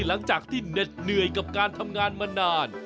หลังจากที่เหน็ดเหนื่อยกับการทำงานมานาน